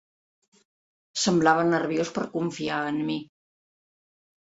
Semblava nerviós per confiar en mi.